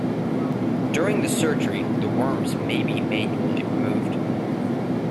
During the surgery the worms may be manually removed.